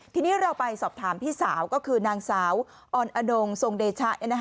ทีนี้เราไปสอบถามพี่สาวก็คือนางสาวอ่อนอดงทรงเดชะ